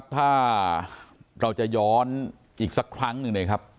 ถ้าเราจะย้อนอีกสักครั้งหนึ่งนะครับ